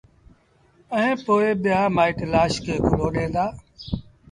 ائيٚݩ پو ٻيآ مآئيٚٽ لآش کي ڪُلهو ڏيݩ دآ